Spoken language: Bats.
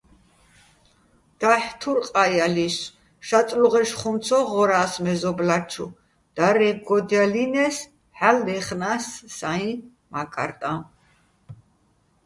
დაჰ̦ თურ ყაჲალისო̆, შაწლუღეშ ხუმ ცო ღორა́ს მეზობლა́ჩუ, დარე́გოდჲალინეს, ჰ̦ალო̆ ლაჲხნას საიჼ მაკარტაჼ.